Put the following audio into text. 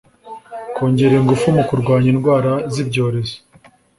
kongera ingufu mu kurwanya indwara z'ibyorezo